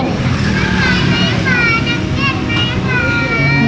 อาจารย์ไม่มาน้องเจ็ดไม่มา